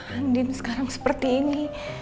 andin sekarang seperti ini